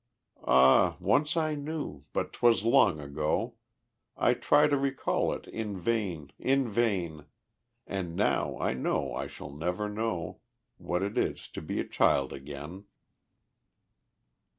Ah, once I knew, but 'twas long ago; I try to recall it in vain in vain! And now I know I shall never know What it is to be a child again.